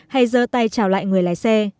hay dơ tay chào lại người lái xe